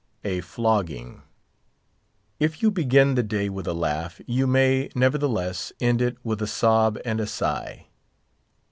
A FLOGGING. If you begin the day with a laugh, you may, nevertheless, end it with a sob and a sigh.